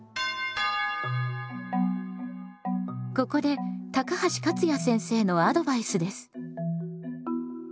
ここで高橋勝也先生のアドバイスです。